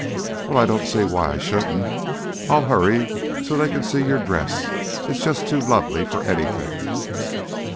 "Well, I don't see why I shouldn't. I'll hurry on so they can see your dress; it's just too lovely for anything."